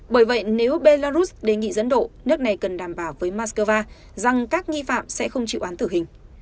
bởi vậy nếu belarus đề nghị dẫn độ nước này cần đảm bảo với moscow rằng các nghi phạm sẽ không chịu án tử hình